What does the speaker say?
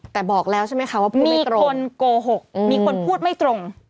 แต่บอกแล้วใช่ไหมคะว่ามีคนโกหกมีคนพูดไม่ตรง